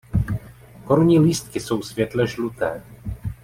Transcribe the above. Korunní lístky jsou světle žluté.